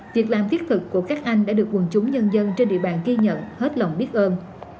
việc làm thiết thực của các anh đã được quần chúng nhân dân trên địa bàn ghi nhận hết lòng biết ơn